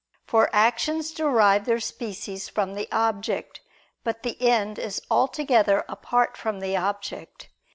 For actions derive their species from the object. But the end is altogether apart from the object.